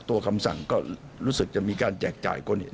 ตัวคำสั่งก็รู้สึกจะมีการแจกจ่ายคนแอนละครับ